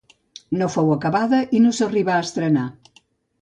No fou acabada i no s'arribà a estrenar.